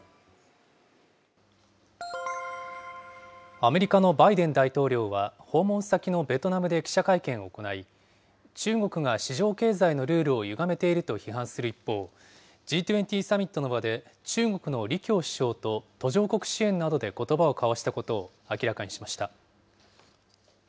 アメリカのバイデン大統領は訪問先のベトナムで記者会見を行い、中国が市場経済のルールをゆがめていると批判する一方、Ｇ２０サミットの場で、中国の李強首相と途上国支援などでことばを交わしたことを明らかにしました。